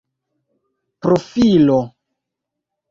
profilo